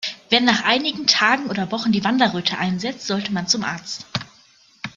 Wenn nach einigen Tagen oder Wochen die Wanderröte einsetzt, sollte man zum Arzt.